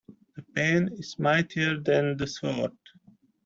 The pen is mightier than the sword.